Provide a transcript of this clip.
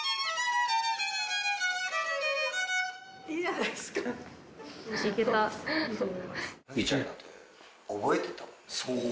・いいじゃないですか・そう！